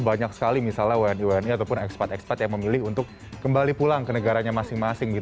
banyak sekali misalnya wni wni ataupun ekspat ekspat yang memilih untuk kembali pulang ke negaranya masing masing